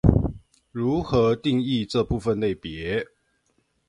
如何定義這部分類別